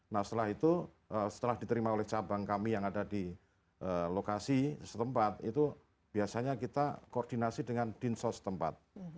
nah setelah itu setelah diterima oleh cabang kami yang ada di lokasi setempat itu biasanya kita koordinasi dengan dinsos tempat